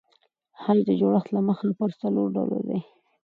خج د جوړښت له مخه پر څلور ډوله دئ.